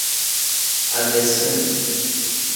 Ade sim.